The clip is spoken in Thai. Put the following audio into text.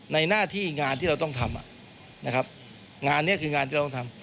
หน้าที่งานที่เราต้องทำนะครับงานนี้คืองานที่เราต้องทำ